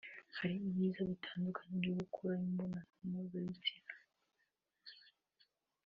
Hari ibyiza bitandukanye byo gukora imibonano mpuzabitsina